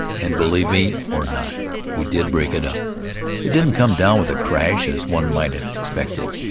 And, believe me or not, we did break it up. 'It didn't come down with a crash, as one might have expected.